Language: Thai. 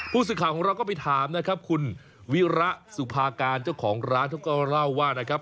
ผู้สื่อข่าวของเราก็ไปถามนะครับคุณวิระสุภาการเจ้าของร้านเขาก็เล่าว่านะครับ